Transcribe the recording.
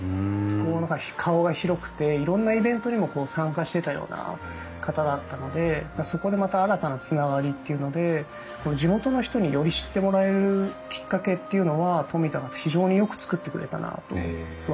こう何か顔が広くていろんなイベントにも参加してたような方だったのでそこでまた新たなつながりっていうので地元の人により知ってもらえるきっかけっていうのは冨田が非常によく作ってくれたなと思ってますね。